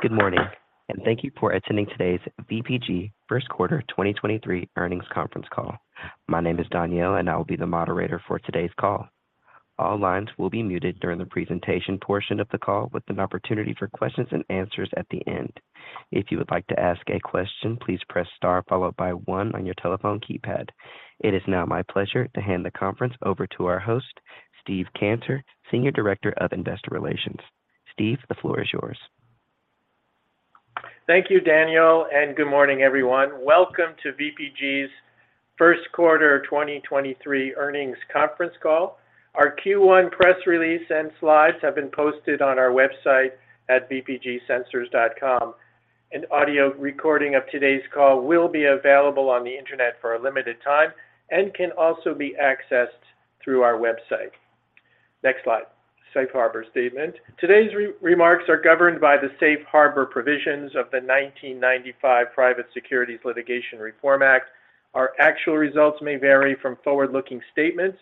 Good morning, and thank you for attending today's VPG first quarter 2023 earnings conference call. My name is Danielle, and I will be the moderator for today's call. All lines will be muted during the presentation portion of the call with an opportunity for questions and answers at the end. If you would like to ask a question, please press star followed by one on your telephone keypad. It is now my pleasure to hand the conference over to our host, Steve Cantor, Senior Director of Investor Relations. Steve, the floor is yours. Thank you, Danielle. Good morning, everyone. Welcome to VPG's first quarter 2023 earnings conference call. Our Q1 press release and slides have been posted on our website at vpgsensors.com. An audio recording of today's call will be available on the Internet for a limited time and can also be accessed through our website. Next slide. Safe Harbor statement. Today's remarks are governed by the Safe Harbor provisions of the 1995 Private Securities Litigation Reform Act. Our actual results may vary from forward-looking statements.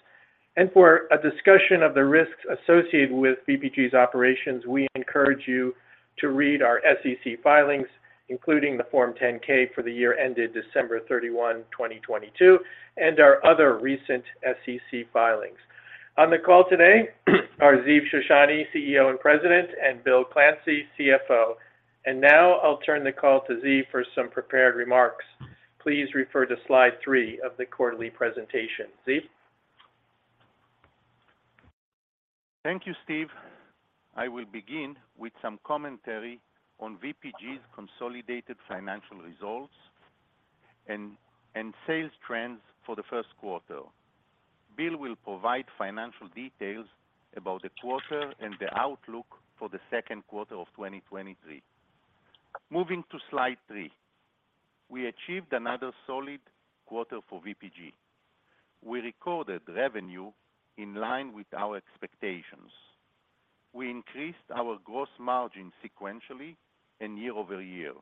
For a discussion of the risks associated with VPG's operations, we encourage you to read our SEC filings, including the Form 10-K for the year ended December 31, 2022, and our other recent SEC filings. On the call today are Ziv Shoshani, CEO and President, and Bill Clancy, CFO. Now I'll turn the call to Ziv for some prepared remarks. Please refer to slide three of the quarterly presentation. Ziv? Thank you, Steve. I will begin with some commentary on VPG's consolidated financial results and sales trends for the first quarter. Bill will provide financial details about the quarter and the outlook for the second quarter of 2023. Moving to slide three, we achieved another solid quarter for VPG. We recorded revenue in line with our expectations. We increased our gross margin sequentially and year-over-year.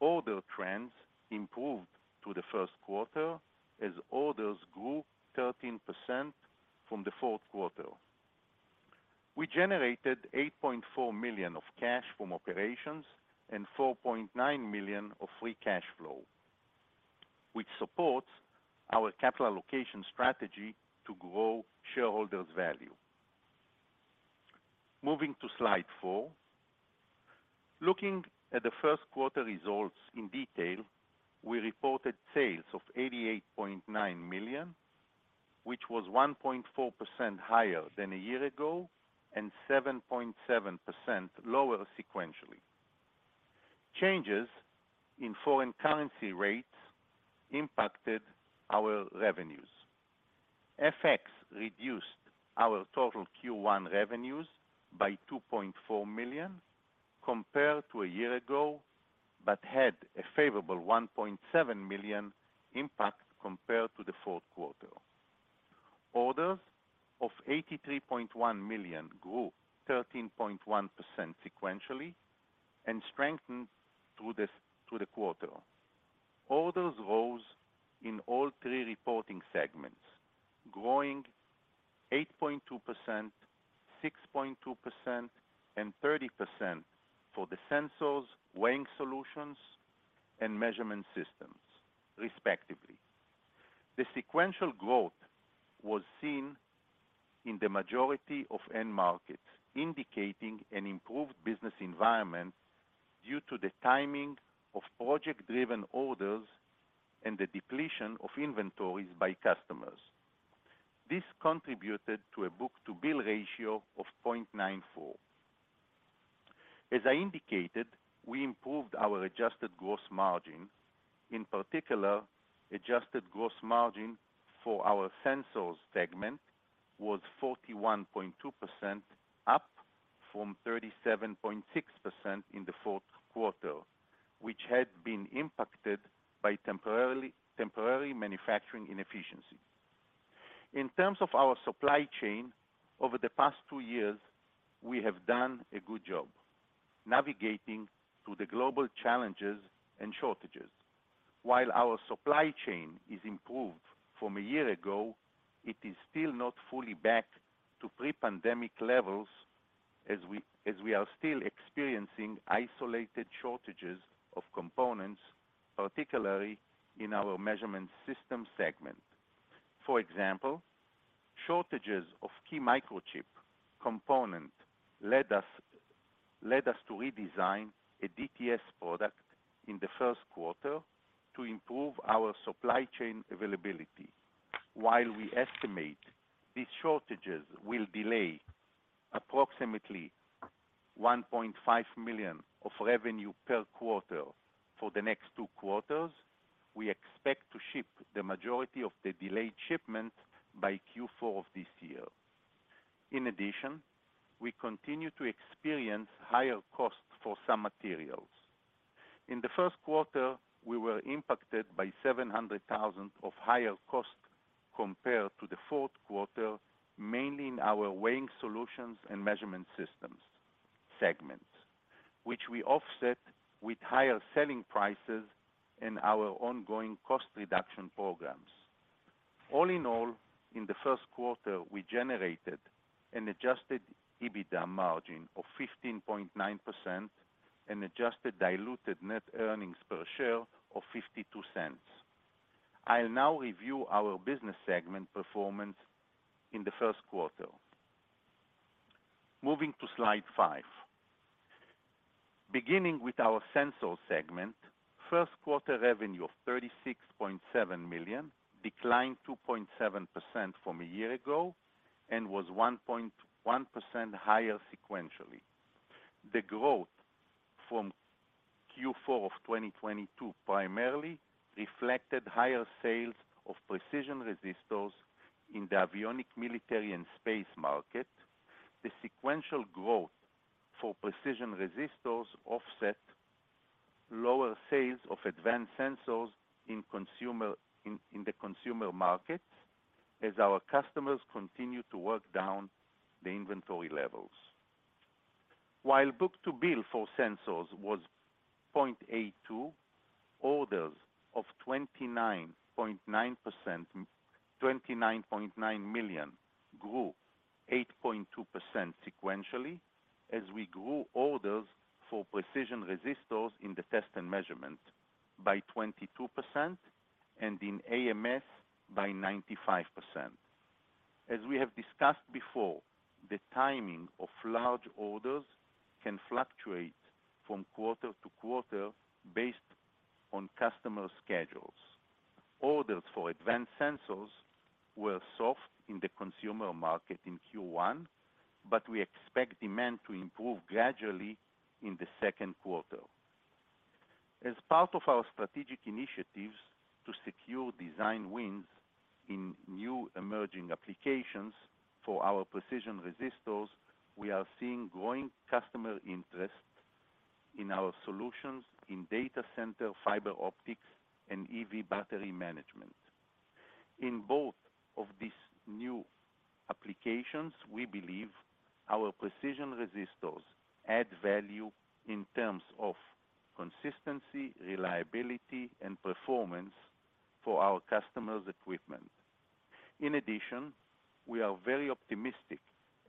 Order trends improved through the first quarter as orders grew 13% from the fourth quarter. We generated $8.4 million of cash from operations and $4.9 million of free cash flow, which supports our capital allocation strategy to grow shareholders' value. Moving to slide four, looking at the first quarter results in detail, we reported sales of $88.9 million, which was 1.4% higher than a year ago and 7.7% lower sequentially. Changes in foreign currency rates impacted our revenues. FX reduced our total Q1 revenues by $2.4 million compared to a year ago, but had a favorable $1.7 million impact compared to the fourth quarter. Orders of $83.1 million grew 13.1% sequentially and strengthened through the quarter. Orders rose in all three reporting segments, growing 8.2%, 6.2%, and 30% for the sensors, weighing solutions, and measurement systems, respectively. The sequential growth was seen in the majority of end markets, indicating an improved business environment due to the timing of project-driven orders and the depletion of inventories by customers. This contributed to a book-to-bill ratio of 0.94. As I indicated, we improved our adjusted gross margin. In particular, adjusted gross margin for our sensors segment was 41.2%, up from 37.6% in the fourth quarter, which had been impacted by temporarily manufacturing inefficiency. In terms of our supply chain, over the past two years, we have done a good job navigating through the global challenges and shortages. While our supply chain is improved from a year ago, it is still not fully back to pre-pandemic levels as we are still experiencing isolated shortages of components, particularly in our measurement system segment. For example, shortages of key microchip component led us to redesign a DTS product in the first quarter to improve our supply chain availability. While we estimate these shortages will delay approximately $1.5 million of revenue per quarter for the next two quarters, we expect to ship the majority of the delayed shipment by Q4 of this year. In addition, we continue to experience higher costs for some materials. In the first quarter, we were impacted by $700,000 of higher cost compared to the fourth quarter, mainly in our weighing solutions and measurement systems segments, which we offset with higher selling prices in our ongoing cost reduction programs. In the first quarter, we generated an adjusted EBITDA margin of 15.9% and adjusted diluted net earnings per share of $0.52. I'll now review our business segment performance in the first quarter. Moving to slide five, beginning with our sensor segment, first quarter revenue of $36.7 million declined 2.7% from a year-ago and was 1.1% higher sequentially. The growth from Q4 of 2022 primarily reflected higher sales of Precision Resistors in the avionics, military, and space market. The sequential growth for Precision Resistors offset lower sales of Advanced Sensors in the consumer market as our customers continue to work down the inventory levels. While book-to-bill for sensors was 0.82, orders of $29.9 million grew 8.2% sequentially as we grew orders for Precision Resistors in the test and measurement by 22% and in AMS by 95%. As we have discussed before, the timing of large orders can fluctuate from quarter to quarter based on customer schedules. Orders for Advanced Sensors were soft in the consumer market in Q1, but we expect demand to improve gradually in the second quarter. As part of our strategic initiatives to secure design wins in new emerging applications for our Precision Resistors, we are seeing growing customer interest in our solutions in data center, fiber optics, and EV battery management. In both of these new applications, we believe our Precision Resistors add value in terms of consistency, reliability, and performance for our customers' equipment. In addition, we are very optimistic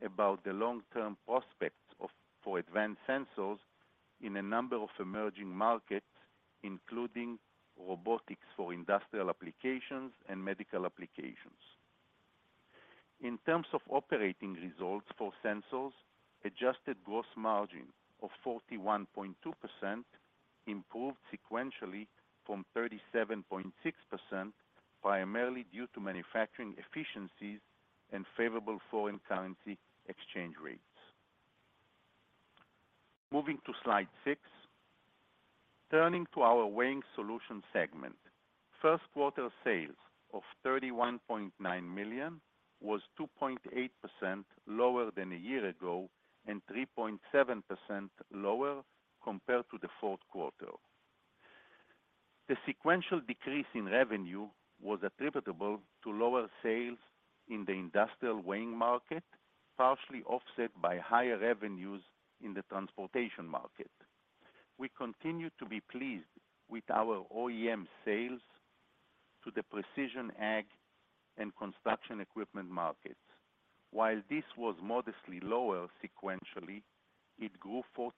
about the long-term prospects for Advanced Sensors in a number of emerging markets, including robotics for industrial applications and medical applications. In terms of operating results for sensors, adjusted gross margin of 41.2% improved sequentially from 37.6%, primarily due to manufacturing efficiencies and favorable foreign currency exchange rates. Moving to slide six, turning to our weighing solution segment. First quarter sales of $31.9 million was 2.8% lower than a year ago and 3.7% lower compared to the fourth quarter. The sequential decrease in revenue was attributable to lower sales in the industrial weighing market, partially offset by higher revenues in the transportation market. We continue to be pleased with our OEM sales to the Precision Ag and construction equipment markets. While this was modestly lower sequentially, it grew 42%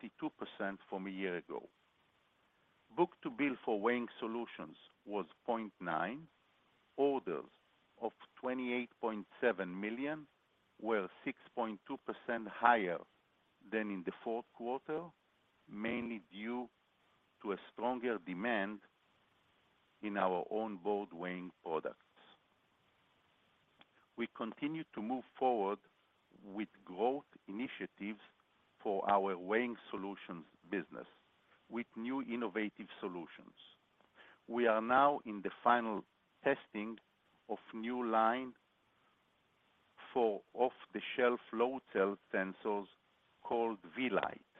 from a year ago. Book-to-bill for weighing solutions was 0.9. Orders of $28.7 million were 6.2% higher than in the fourth quarter, mainly due to a stronger demand in our on-board weighing products. We continue to move forward with growth initiatives for our weighing solutions business with new innovative solutions. We are now in the final testing of new line for off-the-shelf load cell sensors called vLite,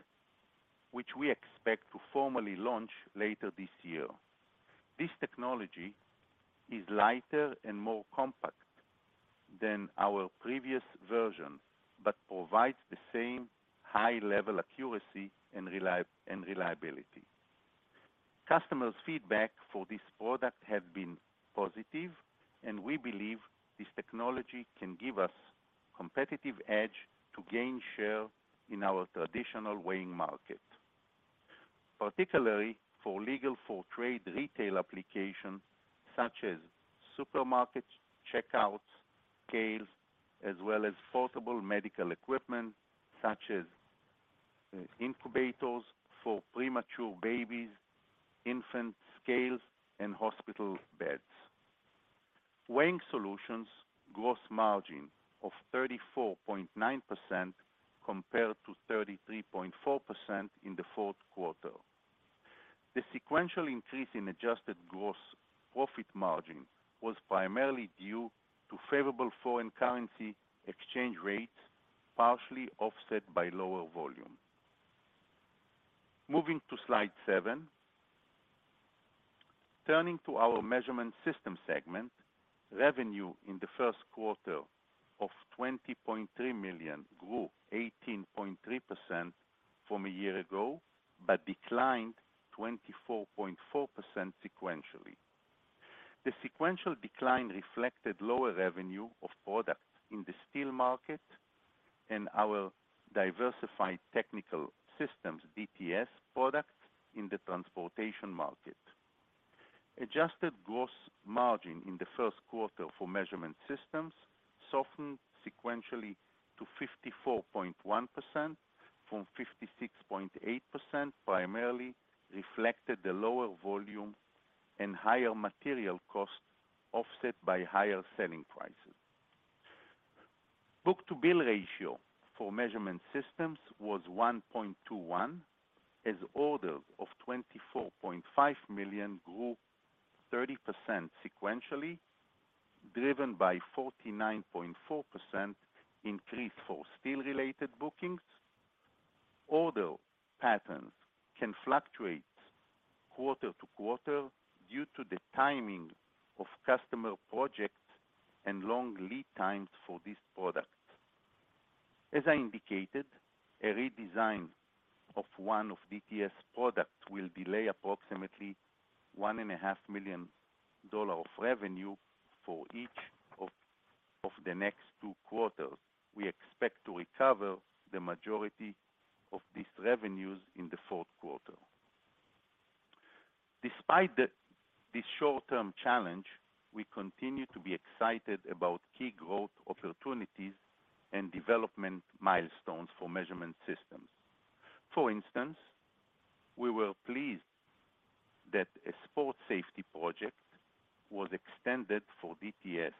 which we expect to formally launch later this year. This technology is lighter and more compact than our previous version but provides the same high-level accuracy and reliability. Customers' feedback for this product have been positive and we believe this technology can give us competitive edge to gain share in our traditional weighing market, particularly for legal, for trade retail applications such as supermarkets, checkouts, scales, as well as portable medical equipment such as incubators for premature babies, infant scales, and hospital beds. Weighing solutions gross margin of 34.9% compared to 33.4% in the fourth quarter. The sequential increase in adjusted gross profit margin was primarily due to favorable foreign currency exchange rates, partially offset by lower volume. Moving to slide seven, turning to our measurement system segment. Revenue in the first quarter of $20.3 million grew 18.3% from a year ago but declined 24.4% sequentially. The sequential decline reflected lower revenue of products in the steel market and our Diversified Technical Systems, DTS products in the transportation market. Adjusted gross margin in the first quarter for measurement systems softened sequentially to 54.1% from 56.8%, primarily reflected the lower volume and higher material costs, offset by higher selling prices. Book-to-bill ratio for measurement systems was 1.21, as orders of $24.5 million grew 30% sequentially, driven by 49.4% increase for steel-related bookings. Order patterns can fluctuate quarter-to-quarter due to the timing of customer projects and long lead times for these products. As I indicated, a redesign of one of DTS products will delay approximately $1.5 million of revenue for each of the next two quarters. We expect to recover the majority of these revenues in the fourth quarter. Despite this short-term challenge, we continue to be excited about key growth opportunities and development milestones for measurement systems. For instance, we were pleased that a sports safety project was extended for DTS,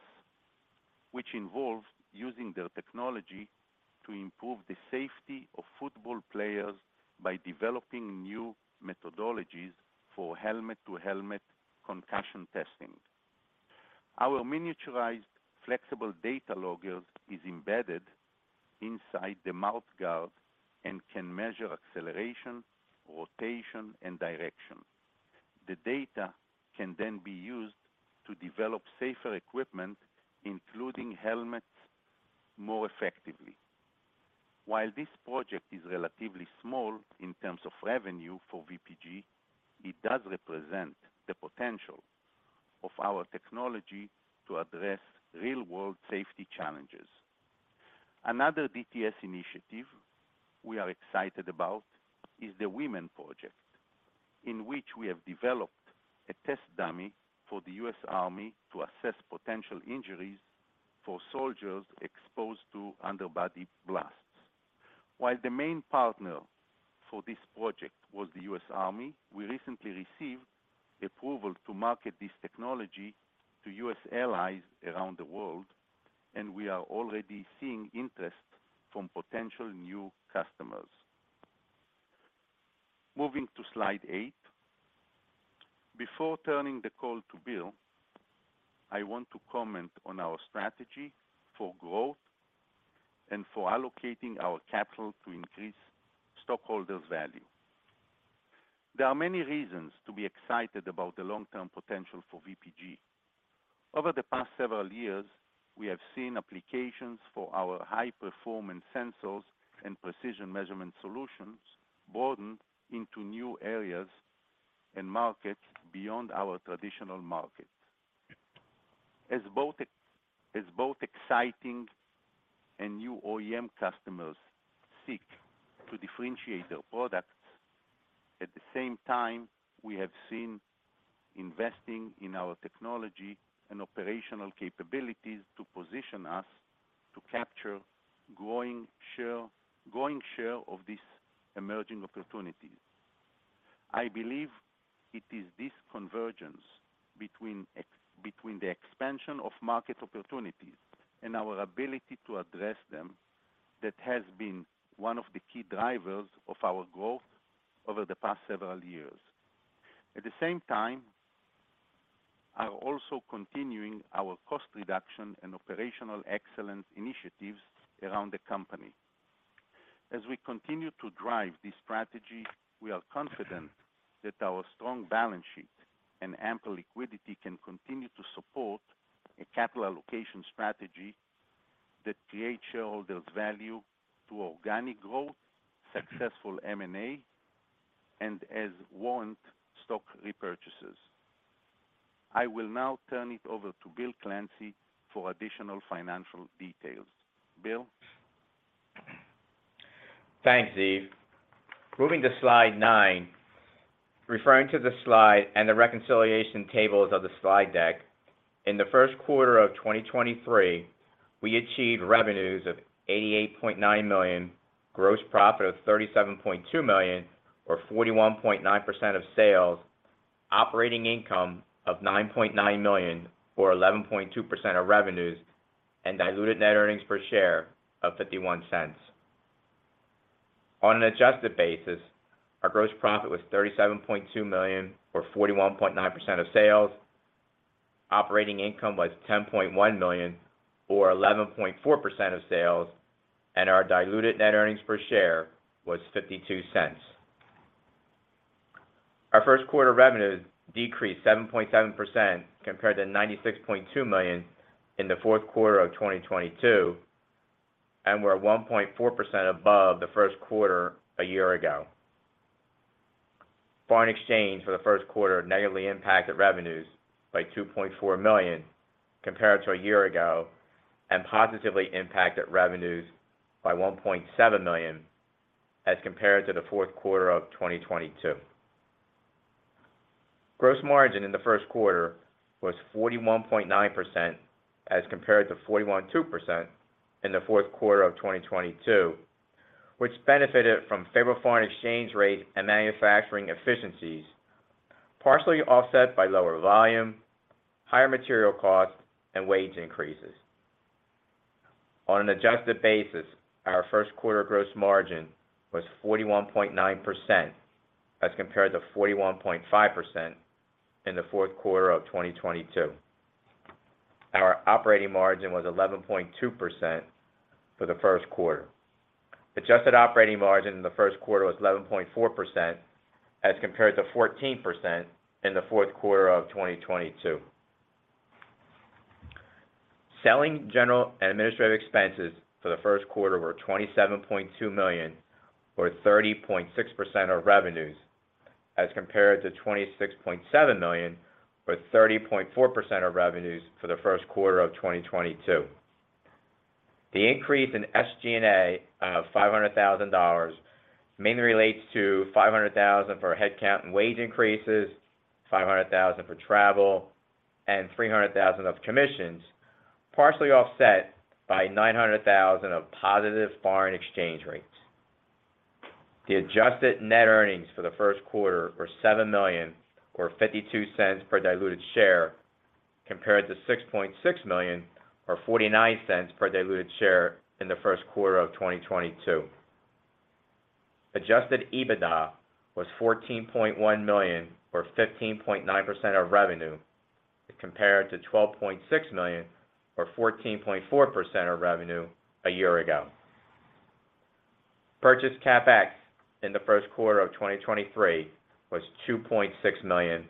which involves using their technology to improve the safety of football players by developing new methodologies for helmet-to-helmet concussion testing. Our miniaturized flexible data logger is embedded inside the mouth guard and can measure acceleration, rotation, and direction. The data can then be used to develop safer equipment, including helmets, more effectively. While this project is relatively small in terms of revenue for VPG, it does represent the potential of our technology to address real-world safety challenges. Another DTS initiative we are excited about is the WIAMan Project, in which we have developed a test dummy for the U.S. Army to assess potential injuries for soldiers exposed to underbody blasts. While the main partner for this project was the U.S. Army, we recently received approval to market this technology to U.S. allies around the world, and we are already seeing interest from potential new customers. Moving to slide eight, before turning the call to Bill, I want to comment on our strategy for growth and for allocating our capital to increase stockholder value. There are many reasons to be excited about the long-term potential for VPG. Over the past several years, we have seen applications for our high-performance sensors and precision measurement solutions broaden into new areas and markets beyond our traditional markets. As both exciting and new OEM customers seek to differentiate their products, at the same time, we have seen investing in our technology and operational capabilities to position us to capture growing share of these emerging opportunities. I believe it is this convergence between the expansion of market opportunities and our ability to address them that has been one of the key drivers of our growth over the past several years. At the same time, are also continuing our cost reduction and operational excellence initiatives around the company. As we continue to drive this strategy, we are confident that our strong balance sheet and ample liquidity can continue to support a capital allocation strategy that creates shareholder value through organic growth, successful M&A, and as warrant stock repurchases. I will now turn it over to Bill Clancy for additional financial details. Bill. Thanks, Ziv. Moving to slide nine. Referring to the slide and the reconciliation tables of the slide deck, in the first quarter of 2023, we achieved revenues of $88.9 million, gross profit of $37.2 million or 41.9% of sales, operating income of $9.9 million or 11.2% of revenues, and diluted net earnings per share of $0.51. On an adjusted basis, our gross profit was $37.2 million or 41.9% of sales. Operating income was $10.1 million or 11.4% of sales, and our diluted net earnings per share was $0.52. Our first quarter revenues decreased 7.7% compared to $96.2 million in the fourth quarter of 2022, and we're at 1.4% above the first quarter a year ago. Foreign exchange for the first quarter negatively impacted revenues by $2.4 million compared to a year ago. Positively impacted revenues by $1.7 million as compared to the fourth quarter of 2022. Gross margin in the first quarter was 41.9% as compared to 41.2% in the fourth quarter of 2022, which benefited from favorable foreign exchange rate and manufacturing efficiencies, partially offset by lower volume, higher material costs, and wage increases. On an adjusted basis, our first quarter gross margin was 41.9% as compared to 41.5% in the fourth quarter of 2022. Our operating margin was 11.2% for the first quarter. Adjusted operating margin in the first quarter was 11.4% as compared to 14% in the fourth quarter of 2022. Selling, general, and administrative expenses for the first quarter were $27.2 million, or 30.6% of revenues, as compared to $26.7 million, or 30.4% of revenues for the first quarter of 2022. The increase in SG&A of $500,000 mainly relates to $500,000 for headcount and wage increases, $500,000 for travel, and $300,000 of commissions, partially offset by $900,000 of positive foreign exchange rates. The adjusted net earnings for the first quarter were $7 million or $0.52 per diluted share compared to $6.6 million or $0.49 per diluted share in the first quarter of 2022. Adjusted EBITDA was $14.1 million or 15.9% of revenue compared to $12.6 million or 14.4% of revenue a year ago. Purchase CapEx in the first quarter of 2023 was $2.6 million,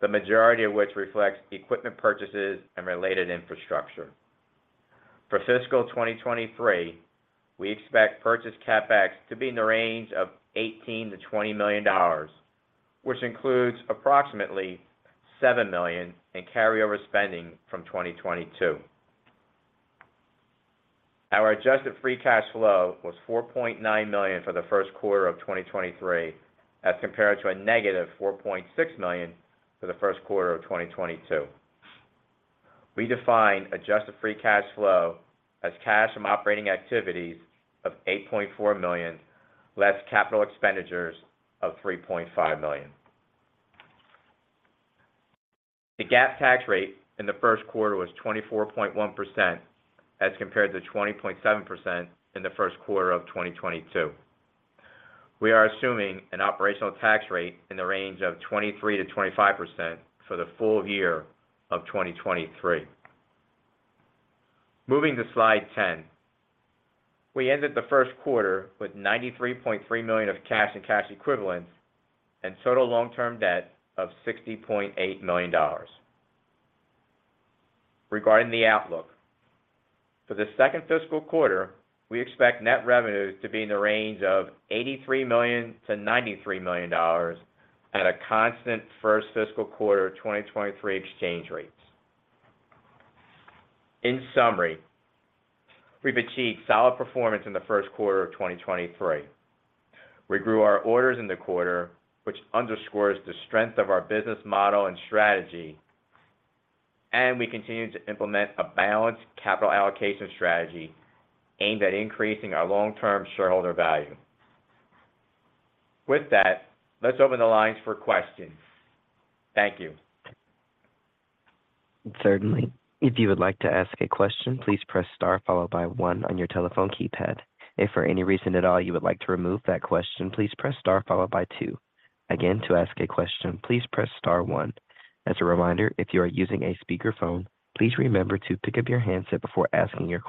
the majority of which reflects equipment purchases and related infrastructure. For fiscal 2023, we expect purchase CapEx to be in the range of $18 million-$20 million, which includes approximately $7 million in carryover spending from 2022. Our adjusted free cash flow was $4.9 million for the first quarter of 2023 as compared to a -$4.6 million for the first quarter of 2022. We define adjusted free cash flow as cash from operating activities of $8.4 million, less capital expenditures of $3.5 million. The GAAP tax rate in the first quarter was 24.1% as compared to 20.7% in the first quarter of 2022. We are assuming an operational tax rate in the range of 23%-25% for the full year of 2023. Moving to slide 10. We ended the first quarter with $93.3 million of cash and cash equivalents and total long-term debt of $60.8 million. Regarding the outlook. For the second fiscal quarter, we expect net revenues to be in the range of $83 million-$93 million at a constant first fiscal quarter 2023 exchange rates. In summary, we've achieved solid performance in the first quarter of 2023. We grew our orders in the quarter, which underscores the strength of our business model and strategy, and we continue to implement a balanced capital allocation strategy aimed at increasing our long-term shareholder value. With that, let's open the lines for questions. Thank you. Certainly. If you would like to ask a question, please press star one on your telephone keypad. If for any reason at all you would like to remove that question, please press star two. Again, to ask a question, please press star one. As a reminder, if you are using a speakerphone, please remember to pick up your handset before asking your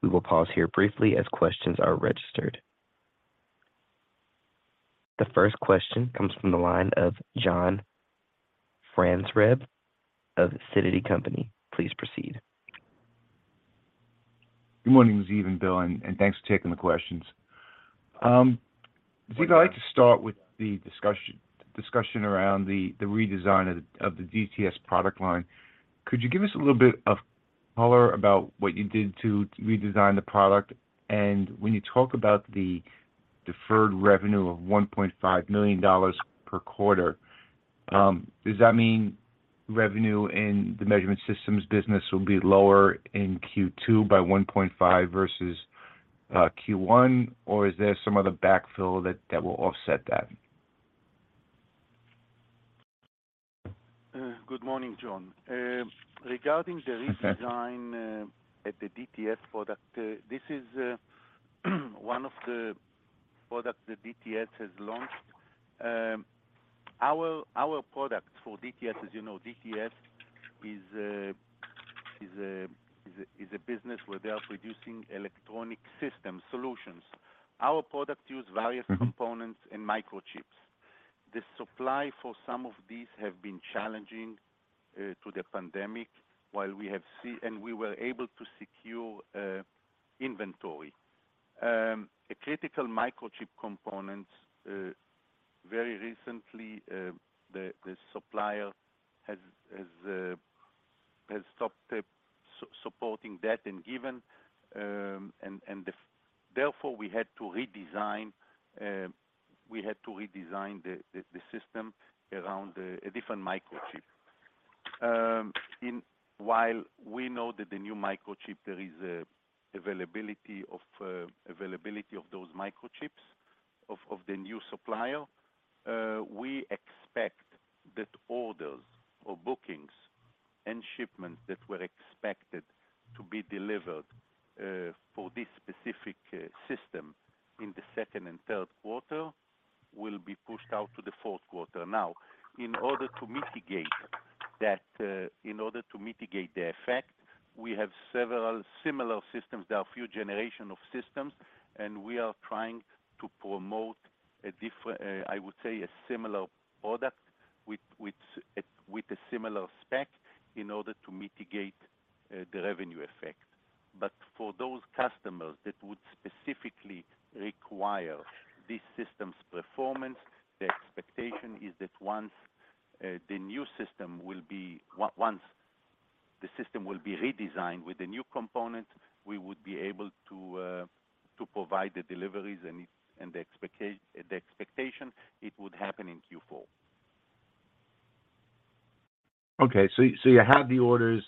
question. We will pause here briefly as questions are registered. The first question comes from the line of John Franzreb of Sidoti & Company. Please proceed. Good morning, Ziv and Bill, and thanks for taking the questions. Ziv, I'd like to start with the discussion around the redesign of the DTS product line. Could you give us a little bit of color about what you did to redesign the product? When you talk about the deferred revenue of $1.5 million per quarter, does that mean revenue in the measurement systems business will be lower in Q2 by 1.5 versus Q1? Or is there some other backfill that will offset that? Good morning, John. Regarding the redesign at the DTS product, this is one of the products that DTS has launched. Our product for DTS, as you know, DTS is a business where they are producing electronic system solutions. Our product use various components and microchips. The supply for some of these have been challenging to the pandemic while we were able to secure inventory. A critical microchip component very recently the supplier has stopped supporting that and given. Therefore, we had to redesign the system around a different microchip. While we know that the new microchip there is a availability of those microchips of the new supplier, we expect that orders or bookings and shipments that were expected to be delivered for this specific system in the second and third quarter will be pushed out to the fourth quarter. In order to mitigate that, in order to mitigate the effect, we have several similar systems. There are a few generation of systems, and we are trying to promote a similar product with a similar spec in order to mitigate the revenue effect. For those customers that would specifically require this system's performance, the expectation is that once the new system will be redesigned with the new component, we would be able to provide the deliveries and the expectation it would happen in Q4. Okay. You have the orders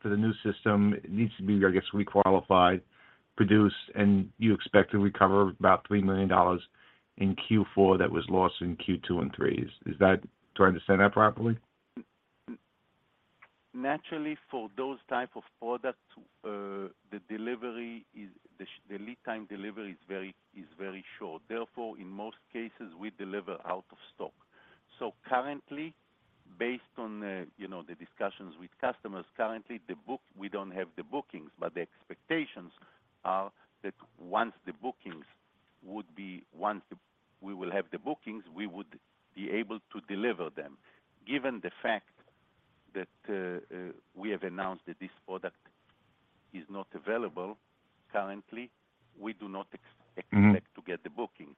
for the new system. It needs to be, I guess, requalified, produced, and you expect to recover about $3 million in Q4 that was lost in Q2 and Q3. Do I understand that properly? Naturally, for those type of products, the delivery is. The lead time delivery is very short. Therefore, in most cases, we deliver out of stock. Currently, based on the, you know, the discussions with customers, currently, We don't have the bookings, but the expectations are that once we will have the bookings, we would be able to deliver them. Given the fact that we have announced that this product is not available currently, we do not expect- Mm-hmm -to get the booking.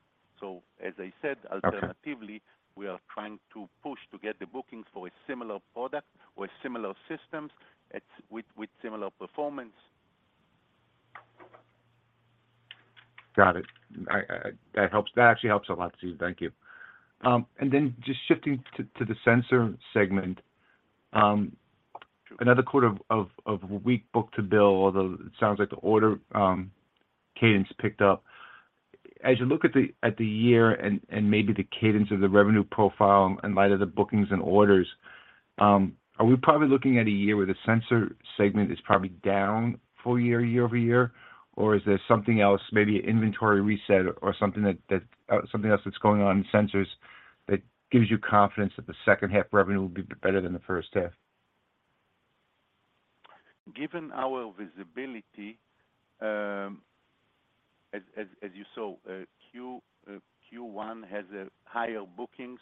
As I said. Okay. Alternatively, we are trying to push to get the bookings for a similar product or similar systems with similar performance. Got it. That helps. That actually helps a lot, Ziv. Thank you. Then just shifting to the sensor segment. Another quarter of weak book-to-bill, although it sounds like the order cadence picked up. As you look at the year and maybe the cadence of the revenue profile in light of the bookings and orders, are we probably looking at a year where the sensor segment is probably down full year-over-year? Or is there something else, maybe inventory reset or something that something else that's going on in sensors that gives you confidence that the second half revenue will be better than the first half? Given our visibility, as you saw, Q1 has a higher bookings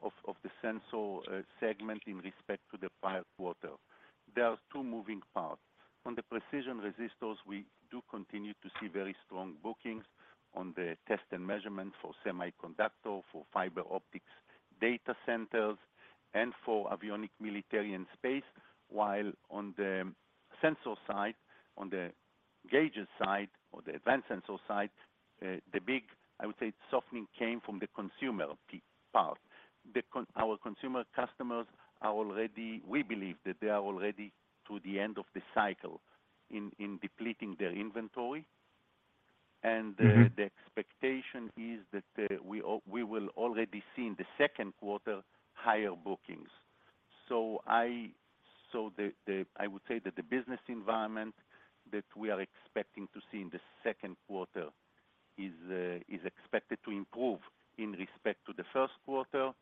of the sensor segment in respect to the prior quarter. There are two moving parts. On the Precision Resistors, we do continue to see very strong bookings on the test and measurement for semiconductor, for fiber optics data centers, and for avionic, military, and space. While on the sensor side, on the gauges side or the Advanced Sensors side, the big, I would say, softening came from the consumer part. Our consumer customers are already we believe that they are already to the end of the cycle in depleting their inventory. Mm-hmm. The expectation is that we will already see in the second quarter higher bookings. I would say that the business environment that we are expecting to see in the second quarter is expected to improve in respect to the first quarter,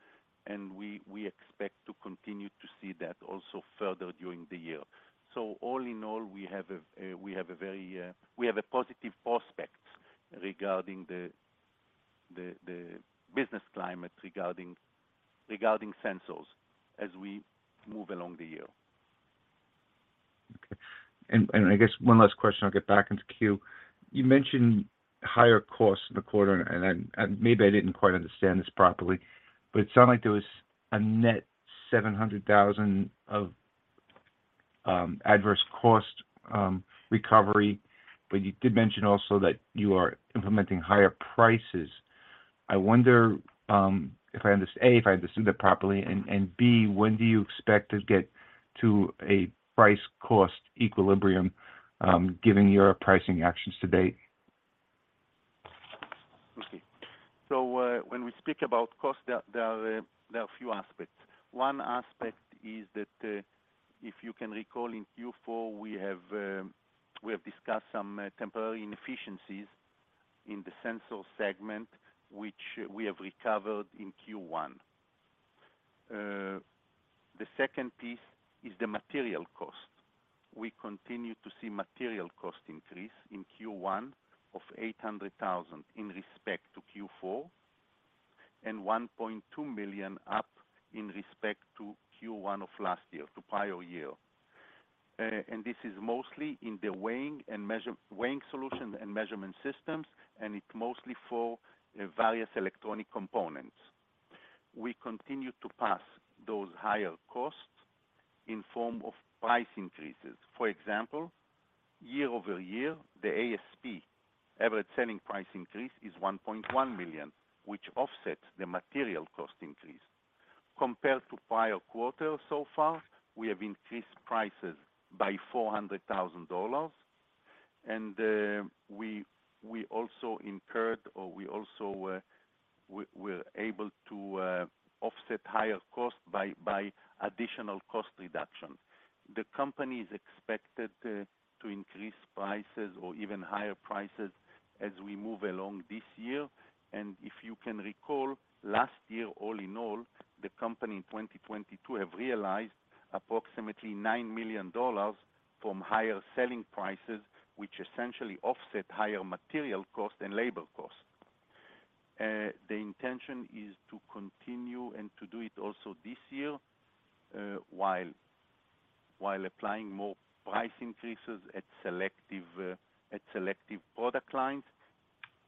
and we expect to continue to see that also further during the year. All-in-all, we have a very positive prospects regarding the business climate regarding sensors as we move along the year. Okay. I guess one last question, I'll get back into queue. You mentioned higher costs in the quarter. I, maybe I didn't quite understand this properly, but it sounded like there was a net $700,000 of adverse cost recovery, but you did mention also that you are implementing higher prices. I wonder, A, if I understood that properly, and B, when do you expect to get to a price cost equilibrium given your pricing actions to date? Okay. When we speak about cost, there are a few aspects. One aspect is that, if you can recall in Q4, we have discussed some temporary inefficiencies in the sensor segment, which we have recovered in Q1. The second piece is the material cost. We continue to see material cost increase in Q1 of $800,000 in respect to Q4, and $1.2 million up in respect to Q1 of last year, to prior year. This is mostly in the weighing solution and measurement systems, and it's mostly for various electronic components. We continue to pass those higher costs in form of price increases. For example, year-over-year, the ASP, Average Selling Price increase is $1.1 million, which offsets the material cost increase. Compared to prior quarters so far, we have increased prices by $400,000, we're able to offset higher costs by additional cost reductions. The company is expected to increase prices or even higher prices as we move along this year. If you can recall, last year, all-in-all, the company in 2022 have realized approximately $9 million from higher selling prices, which essentially offset higher material costs and labor costs. The intention is to continue and to do it also this year, while applying more price increases at selective product lines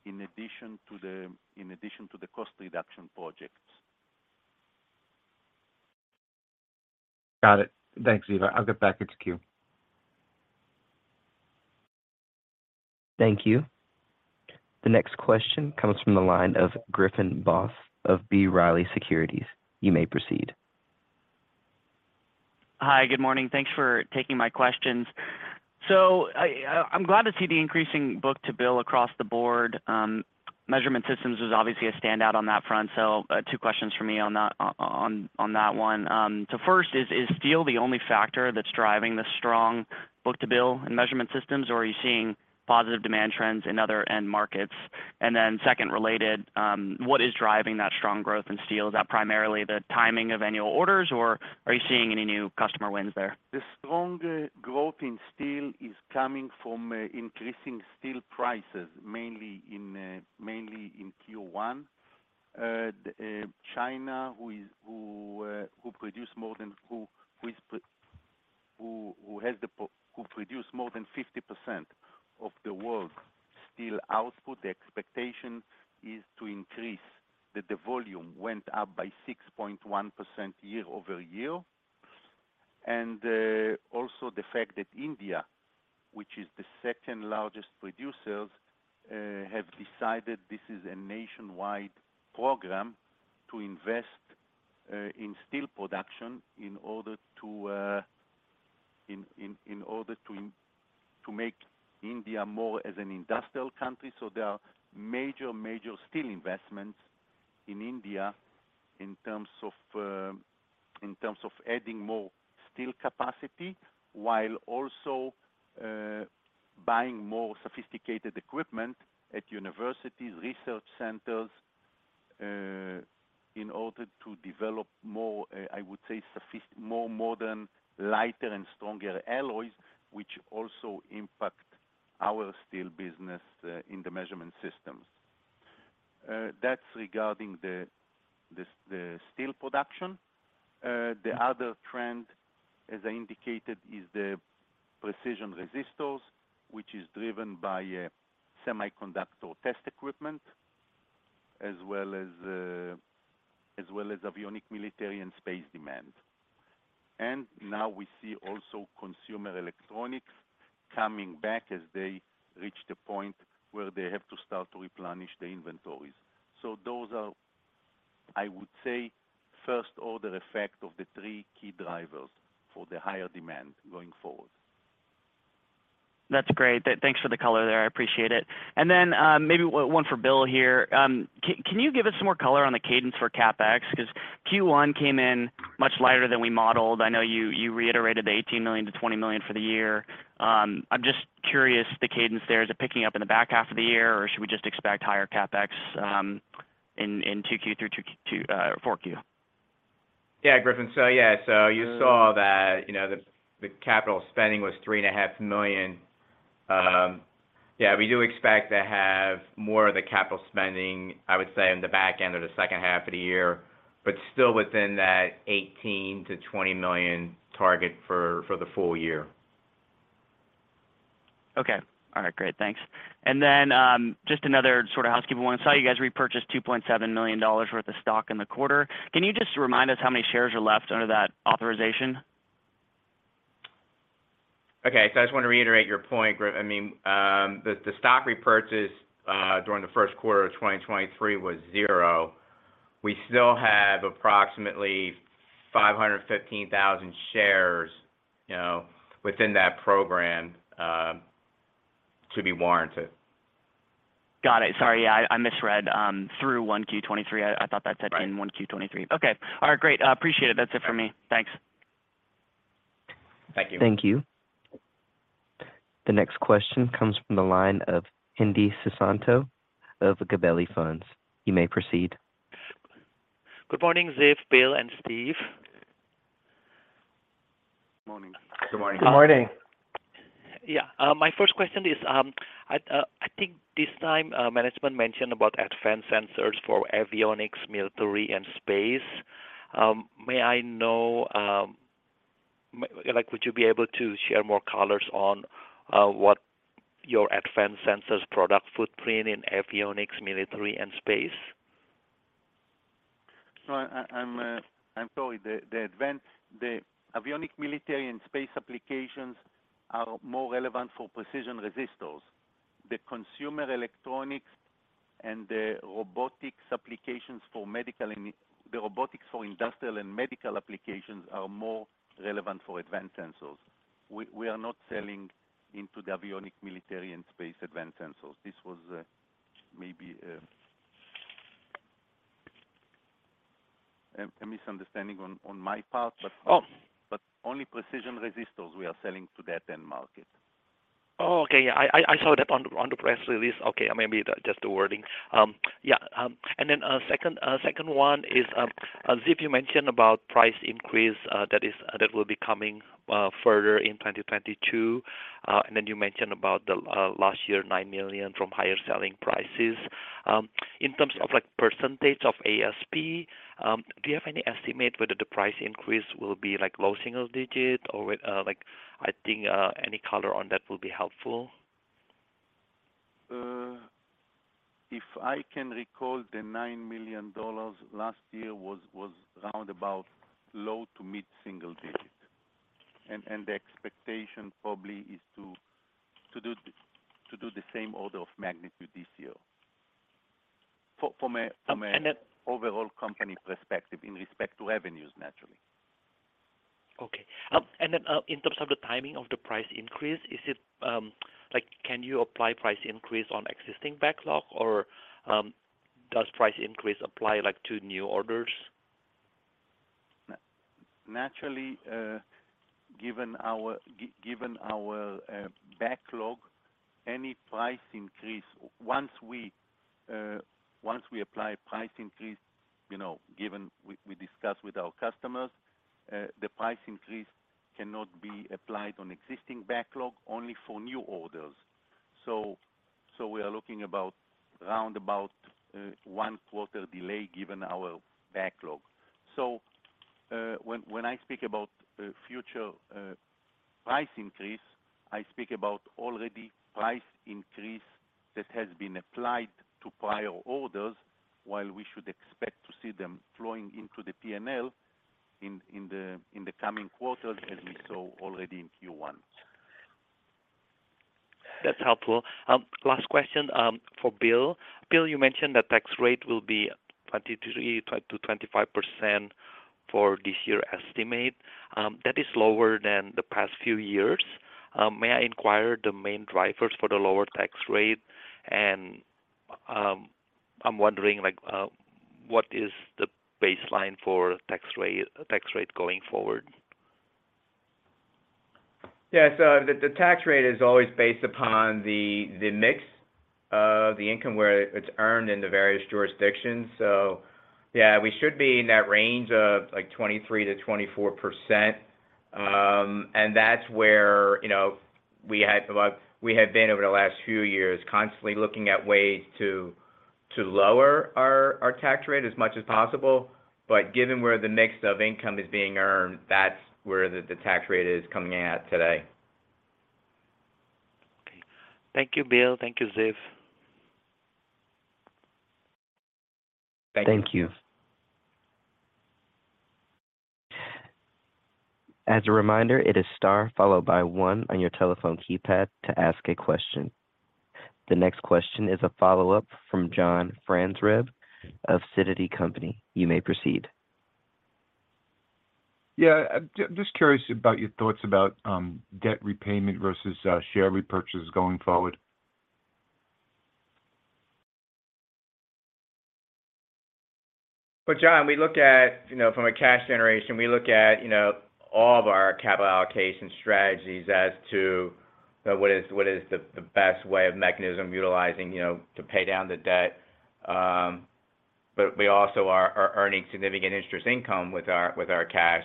in addition to the cost reduction projects. Got it. Thanks, Ziv. I'll get back into queue. Thank you. The next question comes from the line of Griffin Boss of B. Riley Securities. You may proceed. Hi, good morning. Thanks for taking my questions. I'm glad to see the increasing book-to-bill across the board. Measurement systems was obviously a standout on that front. Two questions for me on that one. First, is steel the only factor that's driving the strong book-to-bill in measurement systems, or are you seeing positive demand trends in other end markets? Second related, what is driving that strong growth in steel? Is that primarily the timing of annual orders, or are you seeing any new customer wins there? The strong growth in steel is coming from increasing steel prices, mainly in Q1. China, who produce more than 50% of the world steel output, the expectation is to increase. The volume went up by 6.1% year-over-year. Also the fact that India, which is the second largest producers, have decided this is a nationwide program to invest in steel production in order to make India more as an industrial country. There are major steel investments in India in terms of adding more steel capacity while also buying more sophisticated equipment at universities, research centers, in order to develop more, I would say, more modern, lighter and stronger alloys, which also impact our steel business, in the measurement systems. That's regarding the steel production. The other trend, as I indicated, is the Precision Resistors, which is driven by semiconductor test equipment, as well as avionic, military, and space demand. Now we see also consumer electronics coming back as they reach the point where they have to start to replenish the inventories. Those are, I would say, first order effect of the three key drivers for the higher demand going forward. That's great. Thanks for the color there. I appreciate it. Maybe one for Bill here. Can you give us some more color on the cadence for CapEx? Because Q1 came in much lighter than we modeled. I know you reiterated the $18 million-$20 million for the year. I'm just curious the cadence there. Is it picking up in the back half of the year, or should we just expect higher CapEx in 2Q through to 4Q? Yeah. Griffin. You saw that, you know, the capital spending was $3.5 million. We do expect to have more of the capital spending, I would say, in the back end of the second half of the year, but still within that $18 million-$20 million target for the full year. Okay. All right, great. Thanks. Just another sort of housekeeping one. Saw you guys repurchase $2.7 million worth of stock in the quarter. Can you just remind us how many shares are left under that authorization? I just want to reiterate your point, I mean, the stock repurchase during the first quarter of 2023 was zero. We still have approximately 515,000 shares, you know, within that program, to be warranted. Got it. Sorry. Yeah, I misread, through 1Q 2023. I thought that said- Right.... in 1Q 2023. Okay. All right, great. Appreciate it. That's it for me. Thanks. Thank you. Thank you. The next question comes from the line of Hendi Susanto of Gabelli Funds. You may proceed. Good morning, Ziv, Bill, and Steve. Good morning. Good morning. Good morning. Yeah. My first question is, I think this time management mentioned about Advanced Sensors for avionics, military, and space. May I know, like, would you be able to share more colors on what your Advanced Sensors product footprint in avionics, military, and space? I'm sorry, the avionic military and space applications are more relevant for Precision Resistors. The consumer electronics and the robotics applications for medical and the robotics for industrial and medical applications are more relevant for Advanced Sensors. We are not selling into the avionic military and space Advanced Sensors. This was maybe a misunderstanding on my part but only Precision Resistors we are selling to that end market. Oh, okay, yeah. I saw that on the press release. Okay. Maybe just the wording. And then, the second one is, Ziv, you mentioned about price increase, that will be coming, further in 2022. And then you mentioned about the last year, $9 million from higher selling prices. In terms of like percentage of ASP, do you have any estimate whether the price increase will be like low single digit or whether, any color on that will be helpful. If I can recall, the $9 million last year was round about low to mid-single digit. The expectation probably is to do the same order of magnitude this year. From a- And then-... overall company perspective in respect to revenues, naturally. Okay. In terms of the timing of the price increase, is it, like, can you apply price increase on existing backlog or, does price increase apply like to new orders? Naturally, given our backlog, any price increase, once we once we apply price increase, you know, given we discuss with our customers, the price increase cannot be applied on existing backlog, only for new orders. We are looking about round about one quarter delay given our backlog. When I speak about future price increase, I speak about already price increase that has been applied to prior orders while we should expect to see them flowing into the P&L in the coming quarters, as we saw already in Q1. That's helpful. Last question, for Bill. Bill, you mentioned the tax rate will be 23%-25% for this year estimate. That is lower than the past few years. May I inquire the main drivers for the lower tax rate? I'm wondering like, what is the baseline for tax rate going forward? Yeah. The tax rate is always based upon the mix of the income where it's earned in the various jurisdictions. Yeah, we should be in that range of like 23%-24%. That's where, you know, we have been over the last few years constantly looking at ways to lower our tax rate as much as possible. Given where the mix of income is being earned, that's where the tax rate is coming at today. Okay. Thank you, Bill. Thank you, Ziv. Thank you. Thank you. As a reminder, it is star followed by one on your telephone keypad to ask a question. The next question is a follow-up from John Franzreb of Sidoti & Company. You may proceed. Yeah. I'm just curious about your thoughts about debt repayment versus share repurchases going forward? Well, John, we look at, you know, from a cash generation, we look at, you know, all of our capital allocation strategies as to, you know, what is the best way of mechanism utilizing, you know, to pay down the debt. We also are earning significant interest income with our cash.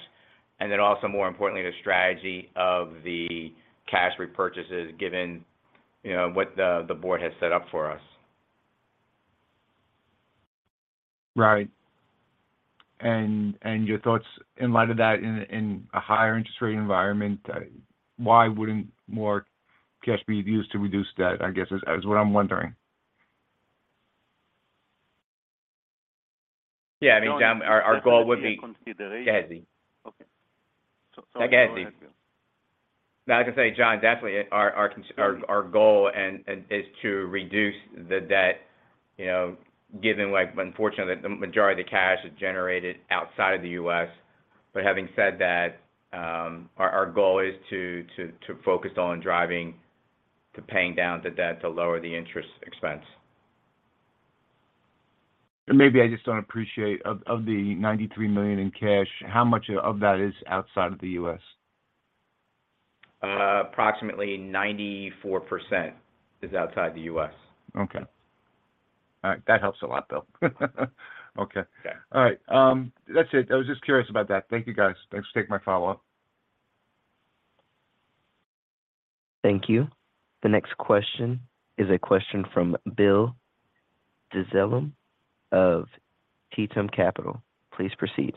Also more importantly, the strategy of the cash repurchases given, you know, what the board has set up for us. Right. And your thoughts in light of that in a higher interest rate environment, why wouldn't more cash be used to reduce debt? I guess, is what I'm wondering. Yeah. I mean, John, our goal would be. Of course, there will be consideration. Yeah. Okay. I get it. Like I say, John, definitely our goal and is to reduce the debt, you know, given like unfortunately, the majority of the cash is generated outside of the U.S. Having said that, our goal is to focus on driving, to paying down the debt to lower the interest expense. Maybe I just don't appreciate, of the $93 million in cash, how much of that is outside of the U.S.? Approximately 94% is outside the U.S.. Okay. All right. That helps a lot though, Bill. Okay. Yeah. All right. That's it. I was just curious about that. Thank you, guys. Thanks for taking my follow-up. Thank you. The next question is a question from Bill Dezellem of Tieton Capital. Please proceed.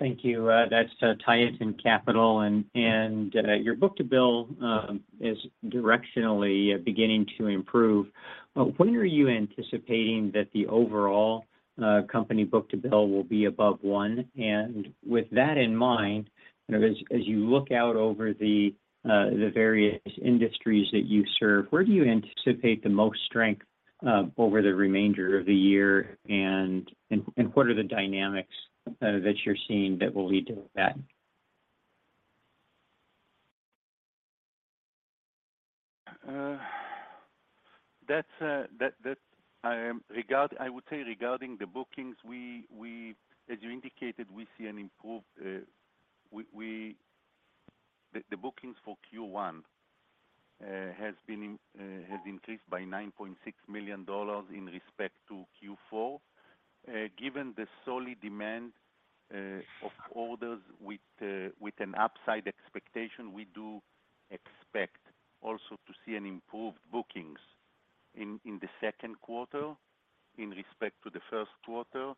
Thank you. That's Tieton Capital. Your book-to-bill is directionally beginning to improve. When are you anticipating that the overall company book-to-bill will be above one? With that in mind, you know, as you look out over the various industries that you serve, where do you anticipate the most strength over the remainder of the year, and what are the dynamics that you're seeing that will lead to that? I would say regarding the bookings, as you indicated, the bookings for Q1 have increased by $9.6 million in respect to Q4. Given the solid demand of orders with an upside expectation, we do expect also to see an improved bookings in the second quarter in respect to the first quarter.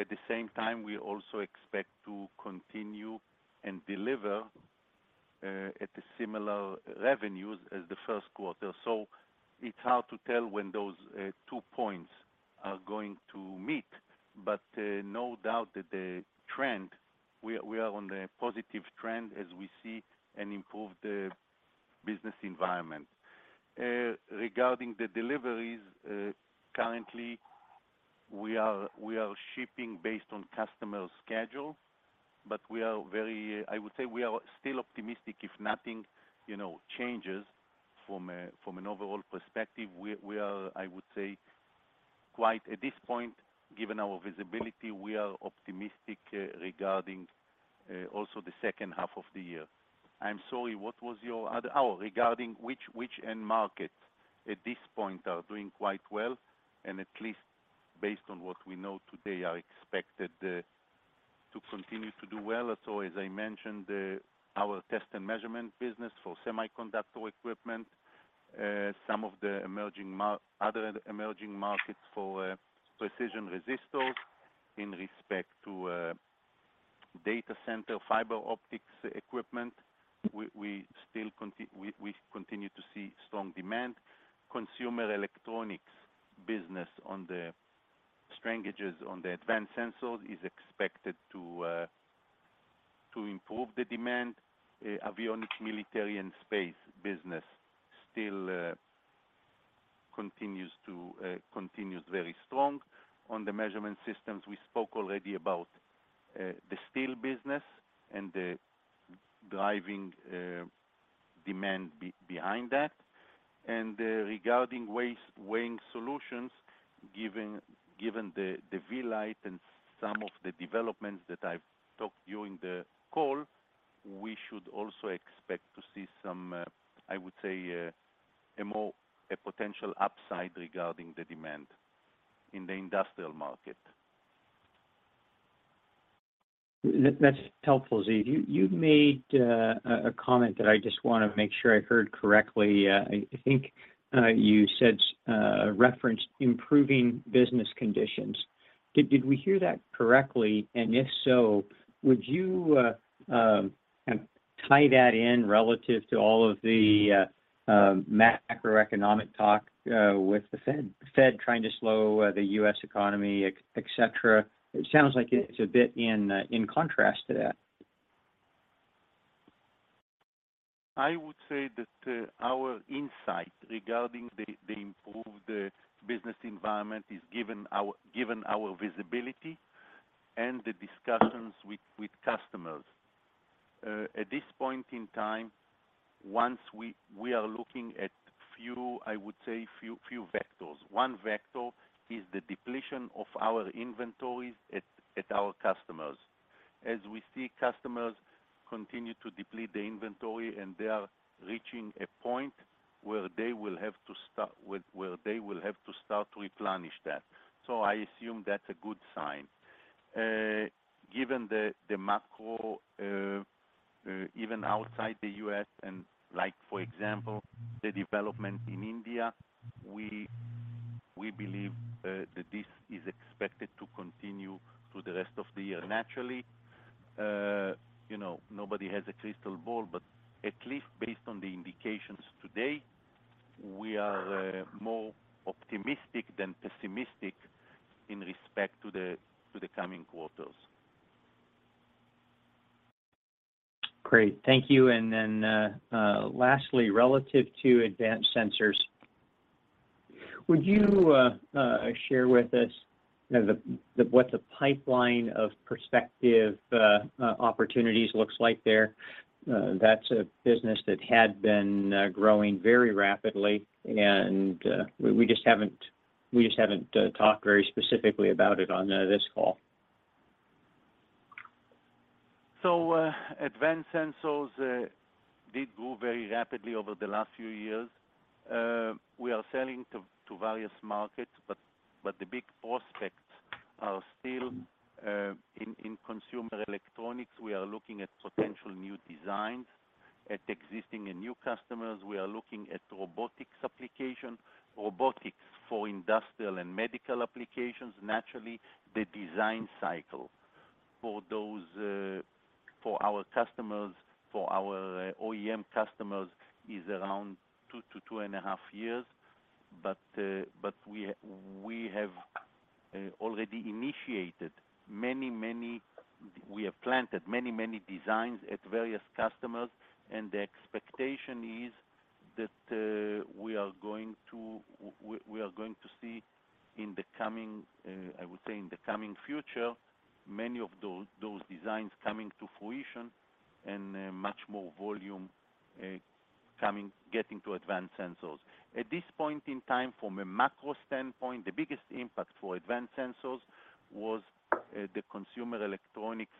At the same time, we also expect to continue and deliver at the similar revenues as the first quarter. It's hard to tell when those two points are going to meet, but no doubt that the trend, we are on the positive trend as we see an improved business environment. Regarding the deliveries, currently we are shipping based on customer schedule, but we are very, I would say we are still optimistic if nothing, you know, changes from an overall perspective. We are, I would say, quite at this point, given our visibility, we are optimistic regarding also the second half of the year. I'm sorry, what was your other? Regarding which end market at this point are doing quite well, and at least based on what we know today, are expected to continue to do well. As I mentioned, our test and measurement business for semiconductor equipment, some of the other emerging markets for Precision Resistors in respect to data center fiber optics equipment, we continue to see strong demand. Consumer electronics business on the strain gauges, on the Advanced Sensors is expected to improve the demand. Avionics, military, and space business still continues very strong. On the measurement systems, we spoke already about the steel business and the driving demand behind that. Regarding weighing solutions, given the vLite and some of the developments that I've talked during the call, we should also expect to see some, I would say, a potential upside regarding the demand in the industrial market. That's helpful, Ziv. You made a comment that I just want to make sure I heard correctly. I think you said referenced improving business conditions. Did we hear that correctly? If so, would you kind of tie that in relative to all of the macroeconomic talk with the Fed trying to slow the U.S. economy, etcetera? It sounds like it's a bit in contrast to that. I would say that our insight regarding the improved business environment is given our visibility and the discussions with customers. At this point in time, once we are looking at few, I would say few vectors. One vector is the depletion of our inventories at our customers. As we see customers continue to deplete the inventory, and they are reaching a point where they will have to start to replenish that. I assume that's a good sign. Given the macro, even outside the U.S. and like, for example, the development in India, we believe that this is expected to continue through the rest of the year. Naturally, you know, nobody has a crystal ball, but at least based on the indications today, we are more optimistic than pessimistic in respect to the coming quarters. Great. Thank you. Lastly, relative to Advanced Sensors, would you share with us what the pipeline of prospective opportunities looks like there. That's a business that had been growing very rapidly, and we just haven't talked very specifically about it on this call. Advanced Sensors did grow very rapidly over the last few years. We are selling to various markets, but the big prospects are still in consumer electronics. We are looking at potential new designs at existing and new customers. We are looking at robotics application, robotics for industrial and medical applications. Naturally, the design cycle for those for our customers, for our OEM customers is around 2 years-2.5 years. But we have already initiated many.- we have planted many designs at various customers, and the expectation is that we are going to see in the coming, I would say in the coming future, many of those designs coming to fruition and much more volume getting to Advanced Sensors. At this point in time, from a macro standpoint, the biggest impact for Advanced Sensors was the consumer electronics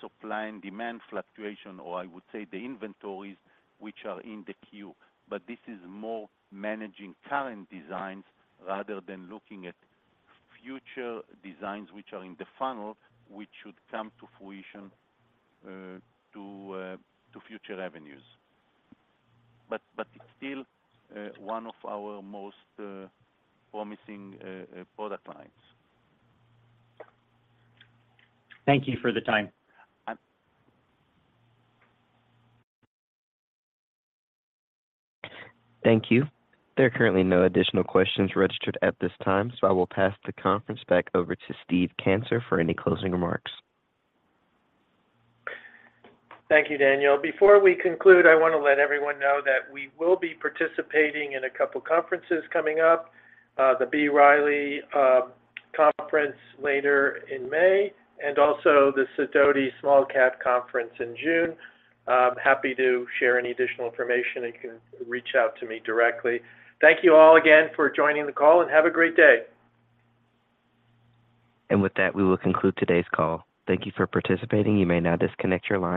supply and demand fluctuation, or I would say the inventories which are in the queue. This is more managing current designs rather than looking at future designs which are in the funnel, which should come to fruition to future revenues. It's still one of our most promising product lines. Thank you for the time. Thank you. There are currently no additional questions registered at this time, so I will pass the conference back over to Steve Cantor for any closing remarks. Thank you, Danielle. Before we conclude, I wanna let everyone know that we will be participating in a couple of conferences coming up. The B. Riley conference later in May, and also the Sidoti Small Cap conference in June. I'm happy to share any additional information, you can reach out to me directly. Thank you all again for joining the call, and have a great day. With that, we will conclude today's call. Thank you for participating. You may now disconnect your line.